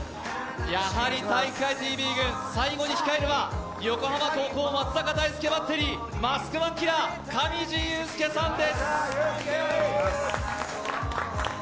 やはり「体育会ＴＶ」軍、最後に控えるは横浜高校・松坂大輔バッテリー、マスクマンキラー、上地雄輔さんです。